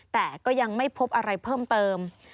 แต่ก็ยังไม่พบอะไรเพิ่มเติม